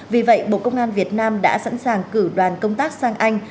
vì vậy bộ công an việt nam đã sẵn sàng cử đoàn công tác sang anh